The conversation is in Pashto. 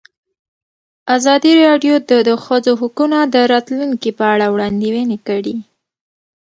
ازادي راډیو د د ښځو حقونه د راتلونکې په اړه وړاندوینې کړې.